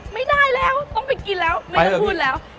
ไม่ได้แล้วต้องไปกินแล้วไม่ต้องพูดแล้ว